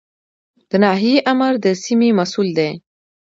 د ناحیې آمر د سیمې مسوول دی